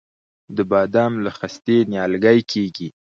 د بادام له خستې نیالګی کیږي؟